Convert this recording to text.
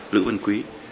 lữ văn quý